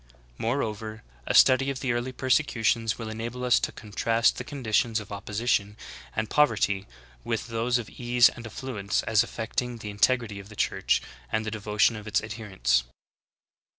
Moreover, a study of the early persecutions will enable us to contrast the conditions of opposition and pov erty with those of ease and affluence as affecting the integ rity of the Church and the devotion of its adherents.